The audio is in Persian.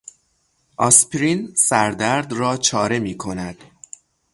آسپرین سردرد را چاره میکند.